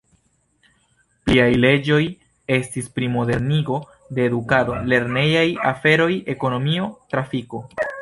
Pliaj leĝoj estis pri modernigo de edukado, lernejaj aferoj, ekonomio, trafiko.